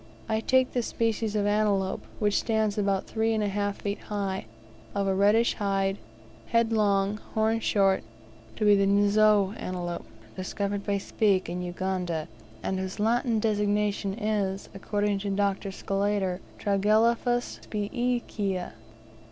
I take this species of antelope, which stands about three and a half feet high, of a reddish hide, head long, horns short, to be the "Nzoe" antelope discovered by Speke in Uganda, and whose Latin designation is, according to Dr. Sclater, "Tragelaphus Spekii."